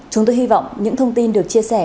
chúng tôi hy vọng những thông tin được chia sẻ